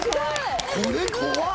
これ怖っ！